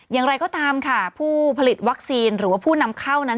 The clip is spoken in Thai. อย่างไรก็ตามค่ะผู้ผลิตวัคซีนหรือว่าผู้นำเข้านั้น